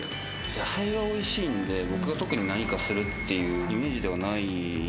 野菜がおいしいので僕が特に何かするイメージではない。